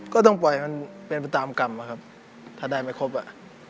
ก็ต้องปล่อยมันเป็นไปตามกรรมอะครับถ้าได้ไม่ครบอ่ะ